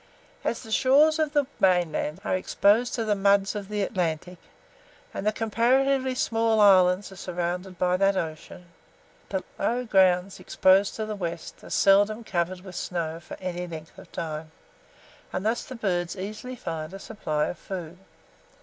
As the shores of the mainland are exposed to the muds of the Atlantic, and the comparatively small islands are surrounded by that ocean, the low grounds exposed to the west are seldom covered with snow for any length of time, and thus the birds easily find a supply of food.